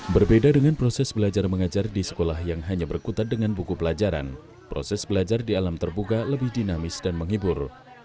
berbeda dengan proses belajar mengajar di sekolah yang hanya berkutat dengan buku pelajaran proses belajar di alam terbuka lebih dinamis dan menghibur